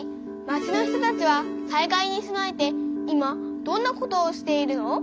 町の人たちは災害に備えて今どんなことをしているの？